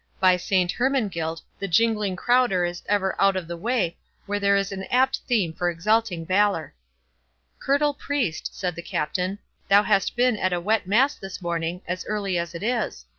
—By Saint Hermangild, the jingling crowder is ever out of the way where there is an apt theme for exalting valour!" "Curtal Priest," said the Captain, "thou hast been at a wet mass this morning, as early as it is.